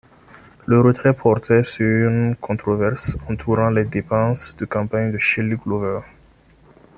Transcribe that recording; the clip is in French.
Le retrait portait sur une controverse entourant les dépenses de campagne de Shelly Glover.